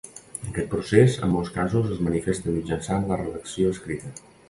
Aquest procés en molts casos es manifesta mitjançant la redacció escrita.